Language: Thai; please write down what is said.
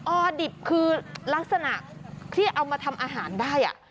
อดิบคือลักษณะที่เอามาทำอาหารได้